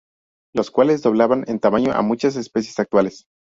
Los cuales doblaban en tamaño a muchas especies actuales.